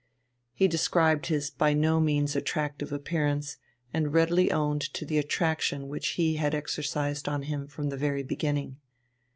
He described his by no means attractive appearance and readily owned to the attraction which he had exercised on him from the very beginning.